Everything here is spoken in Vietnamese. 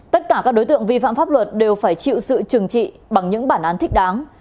tất cả các đối tượng vi phạm pháp luật đều phải chịu sự trừng trị bằng những bản án thích đáng